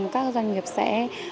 các doanh nghiệp sẽ